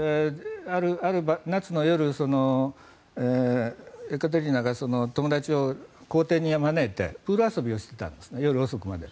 ある夏の夜、カテリーナが友達を公邸に招いてプール遊びをしていたんです夜遅くまで。